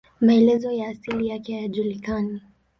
Maelezo ya asili yake hayajulikani.